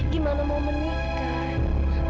gimana mau menikah